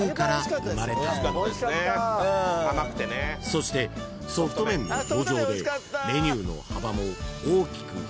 ［そしてソフト麺の登場でメニューの幅も大きく広がるなど